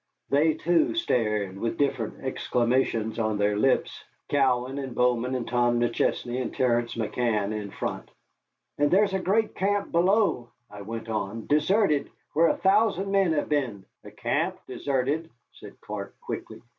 They too stared, with different exclamations on their lips, Cowan and Bowman and Tom McChesney and Terence McCann in front. "And there's a great camp below," I went on, "deserted, where a thousand men have been." "A camp deserted?" said Clark, quickly.